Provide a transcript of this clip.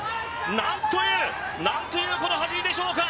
なんという、なんというこの走りでしょうか。